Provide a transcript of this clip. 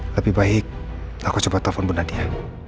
lebih baik aku coba telfon bu nadia